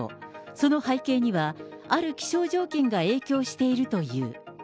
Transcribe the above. その背景には、ある気象条件が影響しているという。